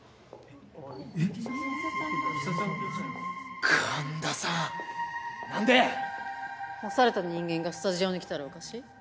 ・・えっ・・凪沙さん・神田さん何で⁉干された人間がスタジオに来たらおかしい？